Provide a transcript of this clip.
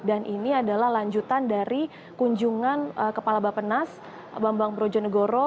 dan ini adalah lanjutan dari kunjungan kepala bapenas bambang brojok dan bumn korea